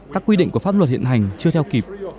các quy định của pháp luật hiện hành chưa theo kịp